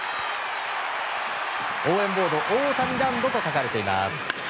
応援ボードには大谷ランドと書かれています。